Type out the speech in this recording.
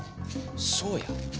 そうや。